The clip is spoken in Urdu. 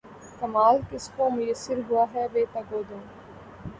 کمال کس کو میسر ہوا ہے بے تگ و دو